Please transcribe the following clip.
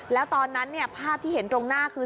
แล้วตอนนั้นภาพที่เห็นตรงหน้าคือ